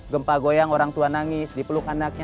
gempa goyang orang tua nangis dipeluk anaknya